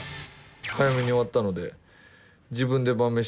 早めに終わったので。